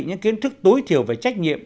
những kiến thức tối thiểu về trách nhiệm